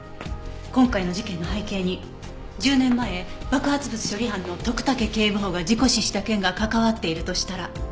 今回の事件の背景に１０年前爆発物処理班の徳武警部補が事故死した件が関わっているとしたら。